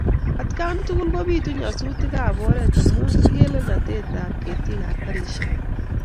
Atkan tukul kopitu nyasutik ap oret amun ingeleldap ketig ap karisyek.